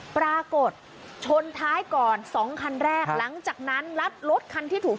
ปรากฏชนท้ายก่อน๒คันแรก